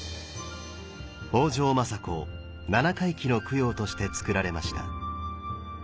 北条政子７回忌の供養としてつくられました。